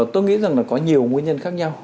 tôi nghĩ rằng là có nhiều nguyên nhân khác nhau